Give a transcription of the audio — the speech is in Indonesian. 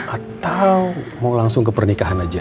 atau mau langsung ke pernikahan aja